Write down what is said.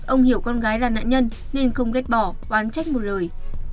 ông hiểu con gái là nạn nhân nên không ghét bỏ oán trách một lời